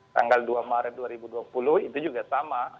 tanggal dua maret dua ribu dua puluh itu juga sama